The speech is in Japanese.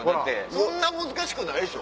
そんな難しくないでしょ？